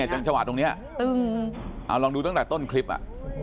จนชวาตรตรงเนี่ยลองดูตั้งแต่ต้นคลิปอ่ะ